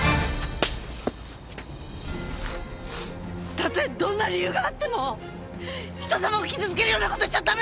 たとえどんな理由があっても人様を傷つけるような事しちゃ駄目じゃないの！